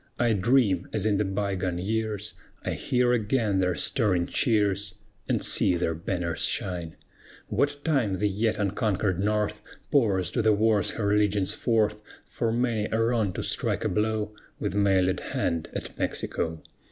I dream, as in the by gone years, I hear again their stirring cheers, And see their banners shine, What time the yet unconquered North Pours to the wars her legions forth, For many a wrong to strike a blow With mailèd hand at Mexico.